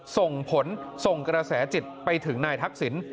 ส่งผลส่งกระแสจิตไปถึงนายทักษิณ